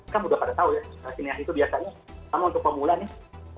kamu udah pada tau ya kinesi itu biasanya sama untuk pemula nih